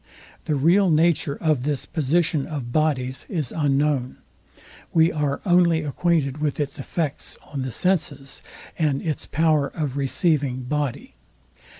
The real nature of this position of bodies is unknown. We are only acquainted with its effects on the senses, and its power of receiving body.